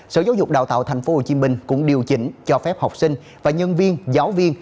sở giáo dục đào tạo tp hcm cũng điều chỉnh cho phép học sinh và nhân viên giáo viên